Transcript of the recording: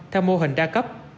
theo mô hình đa cấp